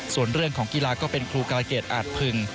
ส่วนเรื่องของกีฬาก็เป็นครูการเกษอาจพึง